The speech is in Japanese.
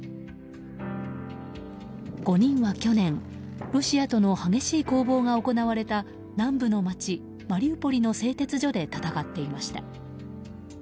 ５人は去年、ロシアとの激しい攻防が行われた南部の街マリウポリの製鉄所で戦っていました。